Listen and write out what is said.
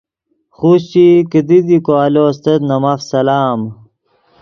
خوشچئی کیدی دی کو آلو استت نے ماف سلام۔